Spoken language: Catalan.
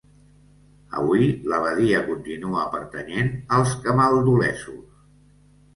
Avui, l'abadia continua pertanyent als camaldulesos.